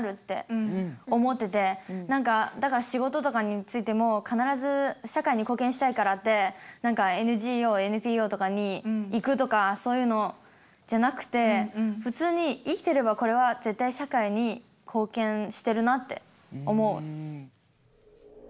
何かだから仕事とかについても必ず社会に貢献したいからってＮＧＯＮＰＯとかに行くとかそういうのじゃなくて普通に生きていればこれは絶対社会に貢献してるなって思う。